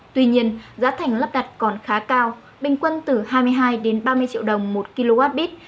tuy nhiên giá thành lắp đặt còn khá cao bình quân từ hai mươi hai ba mươi triệu đồng một kwh